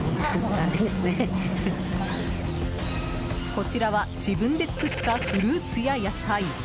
こちらは自分で作ったフルーツや野菜。